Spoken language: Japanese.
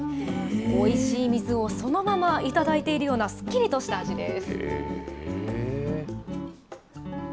おいしい水をそのまま頂いているようなすっきりとした味です。